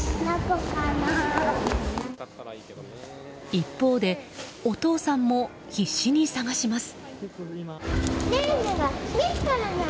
一方でお父さんも必死に捜します。